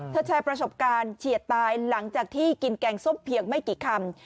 แชร์ประสบการณ์เฉียดตายหลังจากที่กินแกงส้มเพียงไม่กี่คำ